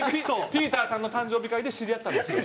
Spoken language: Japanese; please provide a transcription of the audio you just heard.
ピーターさんの誕生日会で知り合ったんですよ。